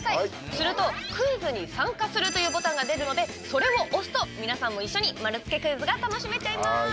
すると「クイズに参加する」というボタンが出るのでそれを押すと皆さんも一緒に丸つけクイズが楽しめちゃいます。